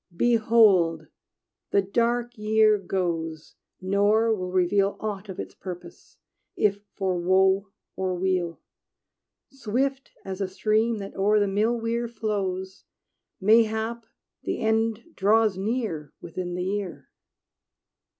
Behold! the dark year goes, Nor will reveal Aught of its purpose, if for woe or weal, Swift as a stream that o'er the mill weir flows: Mayhap the end draws near Within the year!